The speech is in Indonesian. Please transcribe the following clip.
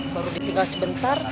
baru ditinggal sebentar